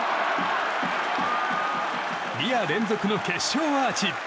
２夜連続の決勝アーチ。